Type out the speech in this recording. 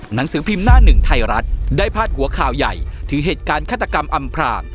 หนังสือพิมพ์หน้าหนึ่งไทยรัฐได้พาดหัวข่าวใหญ่ถึงเหตุการณ์ฆาตกรรมอำพราง